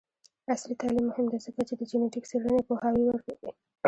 عصري تعلیم مهم دی ځکه چې د جینیټک څیړنې پوهاوی ورکوي.